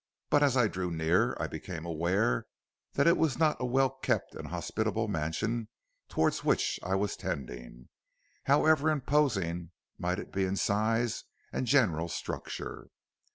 But as I drew nearer I became aware that it was not a well kept and hospitable mansion towards which I was tending, however imposing might be its size and general structure.